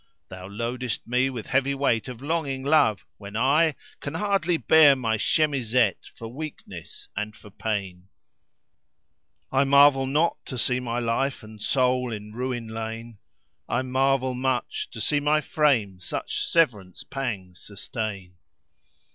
Thou loadest me with heavy weight of longing love, when I * Can hardly bear my chemisette for weakness and for pain: I marvel not to see my life and soul in ruin lain: * I marvel much to see my frame such severance pangs sustain."